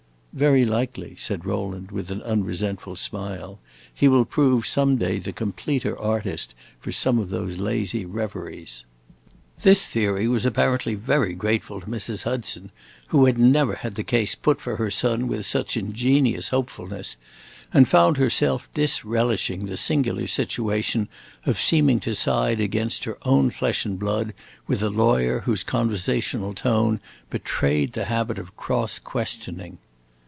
"Very likely," said Rowland, with an unresentful smile, "he will prove some day the completer artist for some of those lazy reveries." This theory was apparently very grateful to Mrs. Hudson, who had never had the case put for her son with such ingenious hopefulness, and found herself disrelishing the singular situation of seeming to side against her own flesh and blood with a lawyer whose conversational tone betrayed the habit of cross questioning.